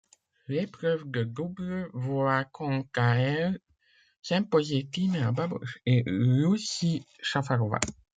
L'épreuve de double voit quant à elle s'imposer Tímea Babos et Lucie Šafářová.